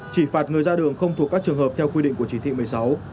chỉ phạt người ra đường không thuộc các trường hợp theo quy định của chỉ thị một mươi sáu